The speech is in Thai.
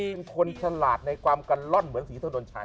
เป็นคนชะลาดในความกันร่อนเหมือนสีเทอร์ดรนชัย